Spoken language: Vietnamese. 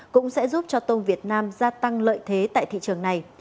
cũng sẽ giúp cho tôm việt nam gia tăng lợi thế tại thị trường này